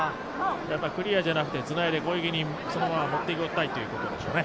クリアじゃなくてつないで攻撃にそのまま持っていきたいということでしょうね。